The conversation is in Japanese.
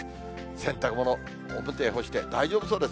洗濯物、表に干して大丈夫そうです。